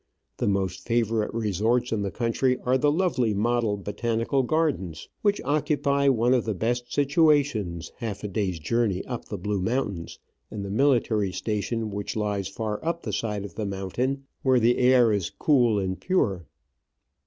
The most favourite resorts in the country are the lovely model Botanical Gardens, which occupy one of the best situations half a day's journey up the Blue Moun tains, and the military station, which lies far up the side of the mountain, where the air is cool and pure.